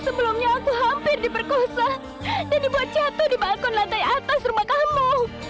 sebelumnya aku hampir diperkosa dan dibuat jatuh di balkon lantai atas rumah kamu